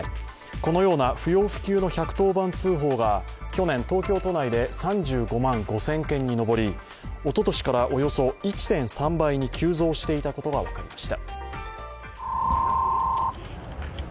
このような不要不急の１１０番通報が去年、東京都内で３５万５０００件に上りおととしからおよそ１．３倍に急増していたことが分かりました。